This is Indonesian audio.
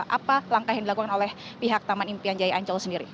apa langkah yang dilakukan oleh pihak taman impian jaya ancol sendiri